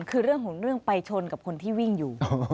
คือเรื่องของเรื่องไปชนกับคนที่วิ่งอยู่